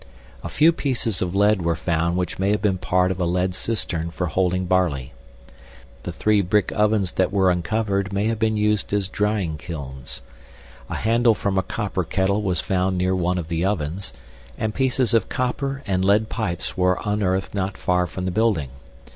A few pieces of lead were found which may have been part of a lead cistern for holding barley. The three brick ovens that were uncovered may have been used as drying kilns. A handle from a copper kettle was found near one of the ovens, and pieces of copper and lead pipes were unearthed not far from the building.